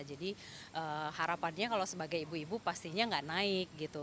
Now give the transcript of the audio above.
jadi harapannya kalau sebagai ibu ibu pastinya nggak naik gitu